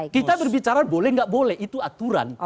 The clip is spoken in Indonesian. kita berbicara boleh nggak boleh itu aturan